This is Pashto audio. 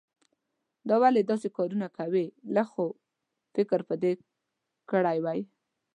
دا ولې داسې کارونه کوې؟ لږ خو فکر به دې کړای وو.